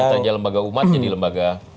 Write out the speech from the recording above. kita aja lembaga umat jadi lembaga